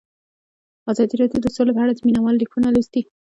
ازادي راډیو د سوله په اړه د مینه والو لیکونه لوستي.